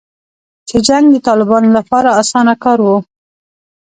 چې جنګ د طالبانو لپاره اسانه کار و